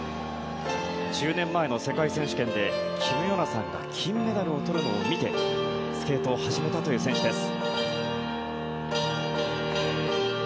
１０年前の世界選手権でキム・ヨナさんが金メダルをとるのを見てスケートを始めたという選手です。